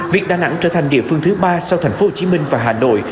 việc đà nẵng trở thành địa phương thứ ba sau thành phố hồ chí minh và hà nội